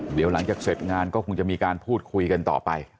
เดี๋ยวหลังจากเสร็จงานก็คงจะมีการพูดคุยกันต่อไป